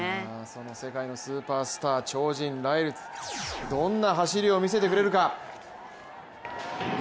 その世界のスーパースター、超人ライルズ、どんな走りを見せてくれるか。